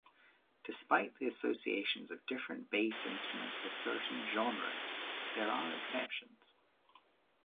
Despite the associations of different bass instruments with certain genres, there are exceptions.